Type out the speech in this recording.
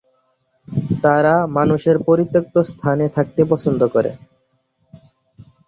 তারা মানুষের পরিত্যক্ত স্থানে থাকতে পছন্দ করে।